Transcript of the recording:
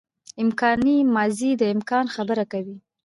امکاني ماضي د امکان خبره کوي.